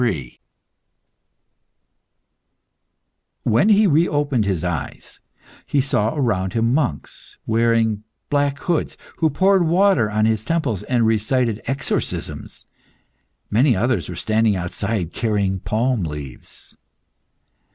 When he reopened his eyes, he saw around him monks wearing black hoods, who poured water on his temples, and recited exorcisms. Many others were standing outside, carrying palm leaves.